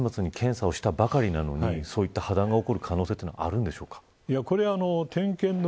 先月末に検査をしたばかりなのにそういった破断が起こる可能性はあるんですか。